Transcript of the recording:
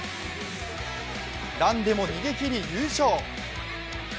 ランでも逃げきり、優勝。